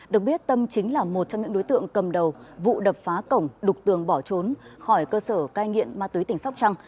được biết tâm chính là một trong những đối tượng cầm đầu vụ đập phá cổng đục tường bỏ trốn khỏi cơ sở cai nghiện ma túy tỉnh sóc trăng